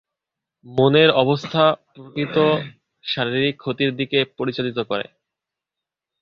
মনের অবস্থা প্রকৃত শারীরিক ক্ষতির দিকে পরিচালিত করে।